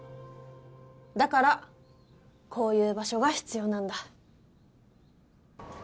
だからこういう場所が必要なんだ。